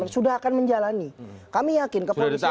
sudah akan menjalani kami yakin kepolisian